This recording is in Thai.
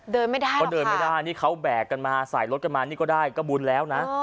เดินไม่ได้เขาเดินไม่ได้นี่เขาแบกกันมาใส่รถกันมานี่ก็ได้ก็บุญแล้วนะ